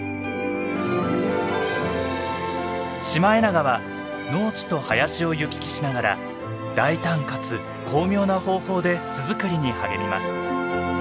シマエナガは農地と林を行き来しながら大胆かつ巧妙な方法で巣作りに励みます。